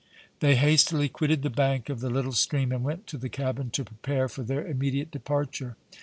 They hastily quitted the bank of the little stream and went to the cabin to prepare for their immediate departure.